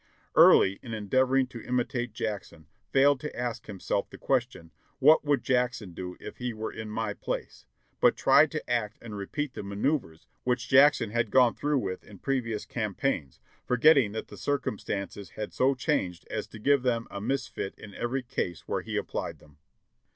"Early, in endeavoring to imitate Jackson, failed to ask himself the question, 'What would Jackson do 'if he were in my place? but tried to act and repeat the manoeuvres which Jackson had gone through with in previous campaigns, forgetting that the circum stances had so changed as to give them a 'mis fit' in every case where he applied them.